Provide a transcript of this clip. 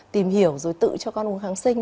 tìm hiểu rồi tự cho con uống kháng sinh